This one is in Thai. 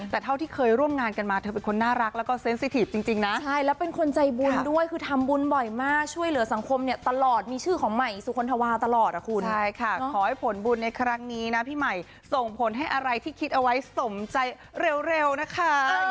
จริงนะใช่แล้วเป็นคนใจบุญด้วยคือทำบุญบ่อยมากช่วยเหลือสังคมเนี่ยตลอดมีชื่อของใหม่สุขนธวาตลอดอ่ะคุณใช่ค่ะขอให้ผลบุญในครั้งนี้นะพี่ใหม่ส่งผลให้อะไรที่คิดเอาไว้สมใจเร็วนะคะ